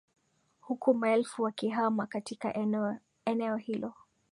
huku maelfu wakihama katika eneo hilo